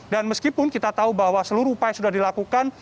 dan meskipun kita tahu bahwa seluruh upaya sudah dilakukan